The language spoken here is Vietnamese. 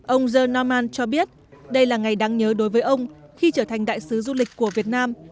ông john norman cho biết đây là ngày đáng nhớ đối với ông khi trở thành đại sứ du lịch của việt nam